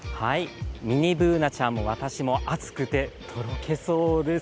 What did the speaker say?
ミニＢｏｏｎａちゃんも私も暑くてとろけそうです。